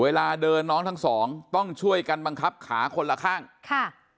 เวลาเดินน้องทั้งสองต้องช่วยกันบังคับขาคนละข้างค่ะ